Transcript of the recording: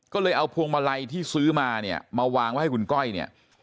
ก็เลยเอาพวงมาลัยที่ซื้อมาเนี่ยมาวางไว้ให้คุณก้อยเนี่ย